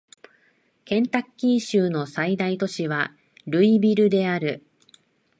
ケンタッキー州の最大都市はルイビルである